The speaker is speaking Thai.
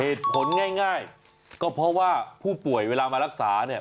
เหตุผลง่ายก็เพราะว่าผู้ป่วยเวลามารักษาเนี่ย